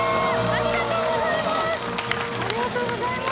ありがとうございます。